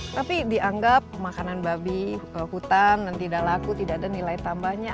tapi dianggap makanan babi hutan dan tidak laku tidak ada nilai tambahnya